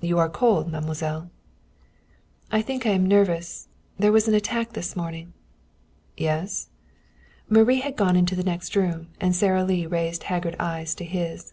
"You are cold, mademoiselle." "I think I am nervous. There was an attack this morning." "Yes?" Marie had gone into the next room, and Sara Lee raised haggard eyes to his.